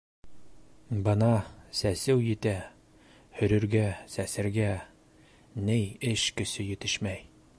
- Бына... сәсеү етә... һөрөргә, сәсергә... ней эш көсө етешмәй.